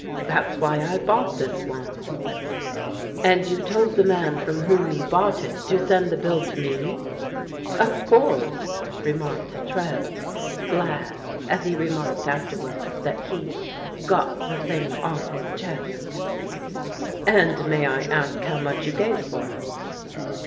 That's why I bought this TREVOR TRELAWNBY 115 "And you told the man from whom you bought it to send the bill to me ?" "Of course," remarked Trev, glad, as he remarked afterwards, that he'd " got the thing oflf his chest'* " And may I ask how much you gave for it?